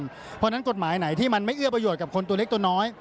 เพราะฉะนั้นกฎหมายไหนที่มันไม่เอื้อประโยชน์กับคนตัวเล็กตัวน้อย